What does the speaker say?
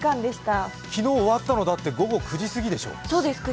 昨日終わったの午後９時過ぎでしょう。